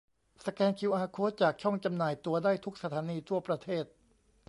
สแกนคิวอาร์โค้ดจากช่องจำหน่ายตั๋วได้ทุกสถานีทั่วประเทศ